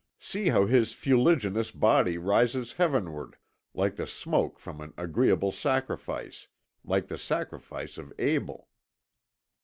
See how his fuliginous body rises heavenward like the smoke from an agreeable sacrifice, like the sacrifice of Abel."